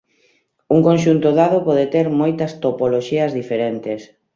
Un conxunto dado pode ter moitas topoloxías diferentes.